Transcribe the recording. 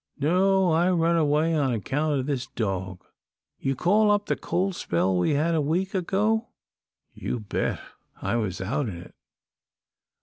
"No, I run away on account o' this dog. You call up the cold spell we had a week ago?" "You bet I was out in it."